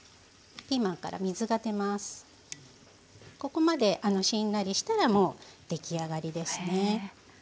ここまでしんなりしたらもう出来上がりですね。